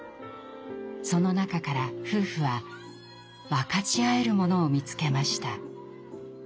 その中から夫婦は分かち合えるものを見つけました。